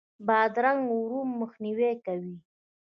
بادرنګ د ورم مخنیوی کوي.